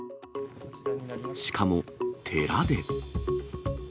しかも、寺で。